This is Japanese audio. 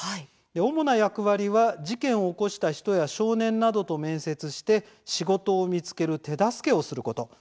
主な役割は事件を起こした人や少年などと面接して仕事を見つける手助けをすることです。